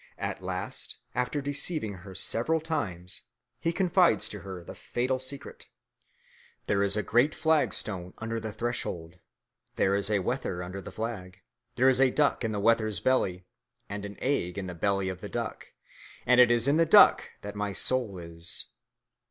At last, after deceiving her several times, he confides to her the fatal secret: "There is a great flagstone under the threshold. There is a wether under the flag. There is a duck in the wether's belly, and an egg in the belly of the duck, and it is in the egg that my soul is."